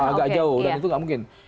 agak jauh dan itu nggak mungkin